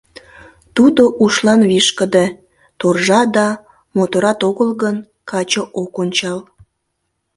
Тудо ушлан вишкыде, торжа да моторат огыл гын, каче ок ончал.